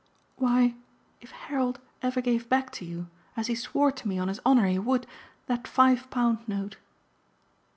"Why if Harold ever gave back to you, as he swore to me on his honour he would, that five pound note